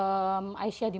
dijalani aisyah di